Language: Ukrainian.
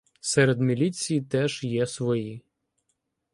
Серед міліції теж є свої.